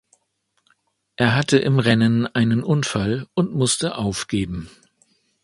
Er hatte im Rennen einen Unfall und musste aufgeben.